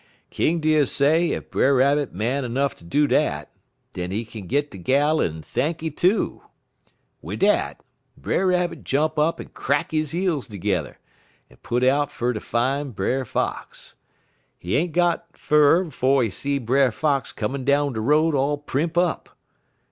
"King Deer say ef Brer Rabbit man 'nuff ter do dat, den he kin git de gal en thanky, too. Wid dat, Brer Rabbit jump up en crack he heels tergedder, en put out fer ter fine Brer Fox. He ain't git fur 'fo' he see Brer Fox comin' down de road all primp up.